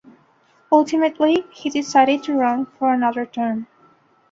Ultimately he decided to run for another term.